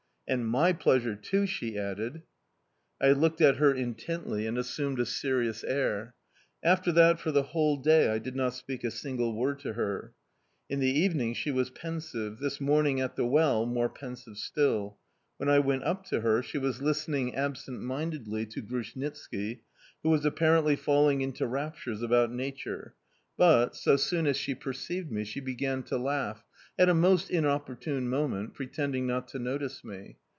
"And my pleasure, too," she added. I looked at her intently and assumed a serious air. After that for the whole day I did not speak a single word to her... In the evening, she was pensive; this morning, at the well, more pensive still. When I went up to her, she was listening absent mindedly to Grushnitski, who was apparently falling into raptures about Nature, but, so soon as she perceived me, she began to laugh at a most inopportune moment pretending not to notice me.